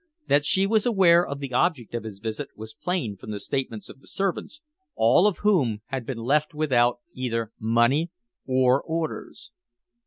That she was aware of the object of his visit was plain from the statements of the servants, all of whom had been left without either money or orders.